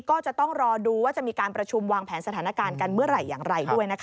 ก็จะต้องรอดูว่าจะมีการประชุมวางแผนสถานการณ์กันเมื่อไหร่อย่างไรด้วยนะคะ